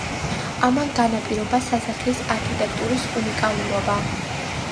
ამან განაპირობა სასახლის არქიტექტურის უნიკალურობა.